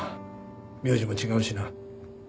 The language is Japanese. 名字も違うしな。